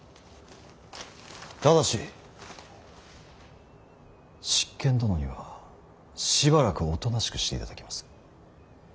ただし執権殿にはしばらくおとなしくしていただきます。